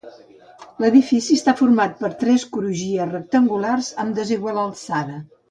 L'edifici està format per tres crugies rectangulars, amb desigual alçada.